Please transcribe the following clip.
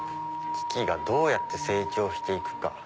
キキがどうやって成長して行くか。